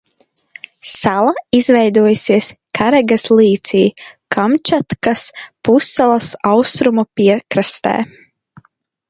Sala izvietojusies Karagas līcī Kamčatkas pussalas austrumu piekrastē.